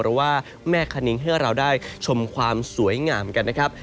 หรือว่าแม่คณิ้งให้เราได้ชมความสวยงามกันนะครับ